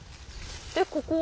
でここは？